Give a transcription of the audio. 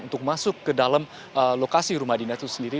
untuk masuk ke dalam lokasi rumah dinas itu sendiri